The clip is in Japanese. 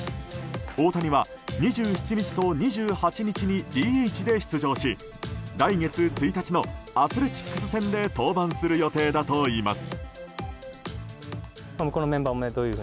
大谷は２７日と２８日にＤＨで出場し来月１日のアスレチックス戦で登板する予定だといいます。